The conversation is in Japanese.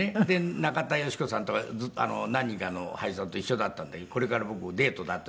中田喜子さんとか何人かの俳優さんと一緒だったんで「これから僕デートだ」と。